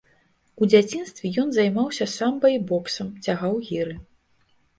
У дзяцінстве ён займаўся самба і боксам, цягаў гіры.